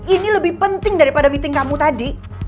ini lebih penting daripada meeting kamu tadi